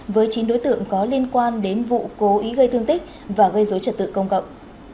với chín đối tượng có liên quan đến vụ cố ý gây thương tích và gây dối trật tự công cộng